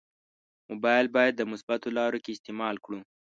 مبایل باید په مثبتو لارو کې استعمال کړو.